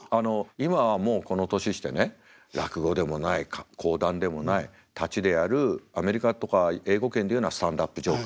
今はもうこの年してね落語でもない講談でもない立ちでやるアメリカとか英語圏で言うのはスタンドアップ・ジョーク。